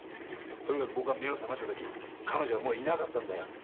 とにかく僕が目を覚ました時彼女はもういなかったんだよ。